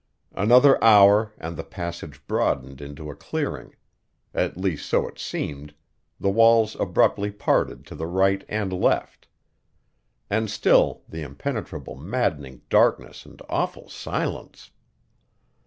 Another hour and the passage broadened into a clearing. At least so it seemed; the walls abruptly parted to the right and left. And still the impenetrable, maddening darkness and awful silence!